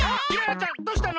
ちゃんどうしたの？